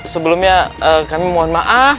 sebelumnya kami mohon maaf